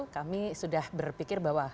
kami sudah berpikir bahwa